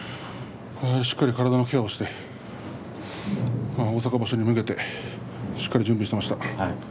しっかり体のケアをして大阪場所に向けてしっかり準備していました。